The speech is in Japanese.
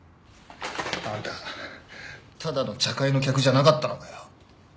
あんたただの茶会の客じゃなかったのかよ。